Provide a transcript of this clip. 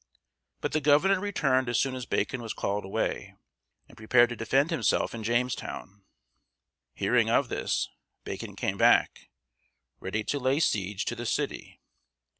But the governor returned as soon as Bacon was called away, and prepared to defend himself in Jamestown. Hearing of this, Bacon came back, ready to lay siege to the city.